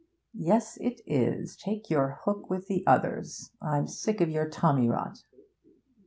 'Yes, it is. Take your hook with the others; I'm sick of your tommy rot!'